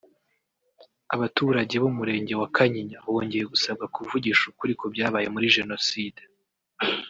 Abaturage b’Umurenge wa Kanyinya bongeye gusabwa kuvugisha ukuri kubyabaye muri Jenoside